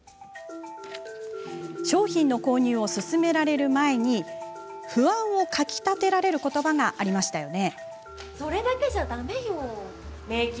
商品の購入を勧められる前に不安をかきたてられることばがありましたよね。